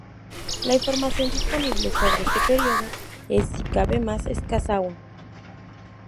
La información disponible sobre este período es, si cabe, más escasa aún.